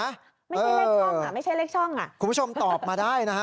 ไม่ใช่เลขช่องอ่ะไม่ใช่เลขช่องอ่ะคุณผู้ชมตอบมาได้นะฮะ